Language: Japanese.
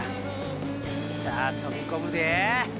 さあ飛び込むで！